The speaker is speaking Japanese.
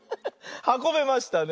はこべましたね。